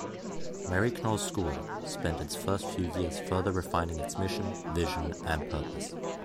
Maryknoll School spent its first few years further refining its mission, vision and purpose.